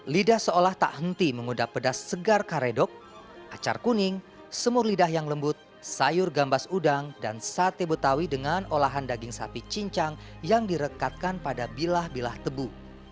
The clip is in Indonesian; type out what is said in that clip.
lidah seolah tak henti mengudap pedas segar karedok acar kuning semur lidah yang lembut sayur gambas udang dan sate betawi dengan olahan daging sapi cincang yang direkatkan pada bilah bilah tebu